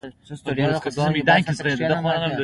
باد ځینې وخت خاوره راپورته کوي